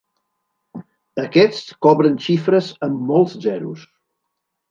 Aquests cobren xifres amb molts zeros.